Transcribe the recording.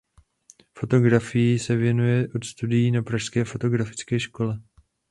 Fotografii se věnuje od studií na Pražské fotografické škole.